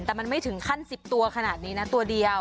แต่มันไม่ถึงขั้น๑๐ตัวขนาดนี้นะตัวเดียว